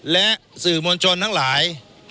และสื่อมวลชนทั้งหลาย